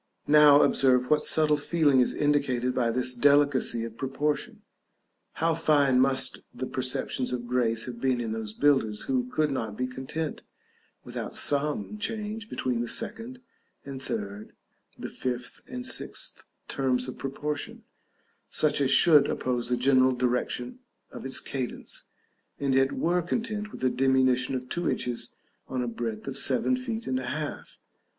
Now observe what subtle feeling is indicated by this delicacy of proportion. How fine must the perceptions of grace have been in those builders who could not be content without some change between the second and third, the fifth and sixth terms of proportion, such as should oppose the general direction of its cadence, and yet were content with a diminution of two inches on a breadth of seven feet and a half!